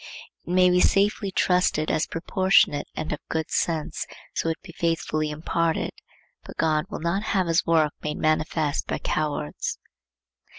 It may be safely trusted as proportionate and of good issues, so it be faithfully imparted, but God will not have his work made manifest by cowards.